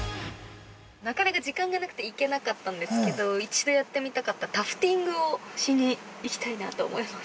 ◆なかなか時間がなくて行けなかったんですけど一度やってみたかったタフティングをしに行きたいなと思います。